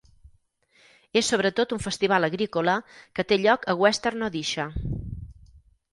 És sobretot un festival agrícola que té lloc a Western Odisha.